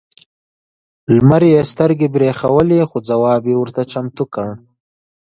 لمر یې سترګې برېښولې خو ځواب یې ورته چمتو کړ.